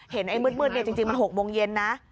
เห็นไอ้มืดเดี๋ยวจริงมัน๖โมงเย็นนะ